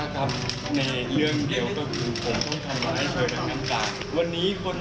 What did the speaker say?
ก็รอบกันผมใช่ไหมครับ